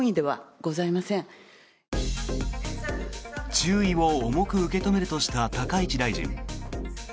注意を重く受け止めるとした高市大臣。